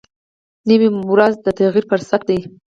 نوې ورځ د تغیر فرصت دی